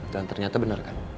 dan ternyata bener kan